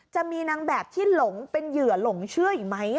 จะมีนางแบบที่หลงเป็นเหยื่อหลงเชื่ออีกไหม